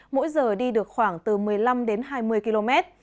mỗi giờ đi được khoảng từ một mươi năm đến hai mươi km